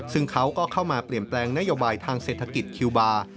ซึ่งเขาก็เข้ามาเปลี่ยนแปลงนโยบายทางเศรษฐกิจคิวบาร์